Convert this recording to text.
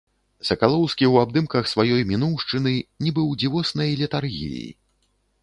Сакалоўскі ў абдымках сваёй мінуўшчыны, нібы ў дзівоснай летаргіі.